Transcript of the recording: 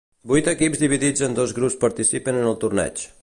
Vuit equips dividits en dos grups participen en el torneig.